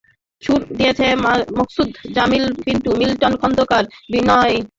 সুর দিয়েছেন মকসুদ জামিল মিন্টু, মিল্টন খন্দকার, বিনোদ রায় এবং মান্নান মোহাম্মদ।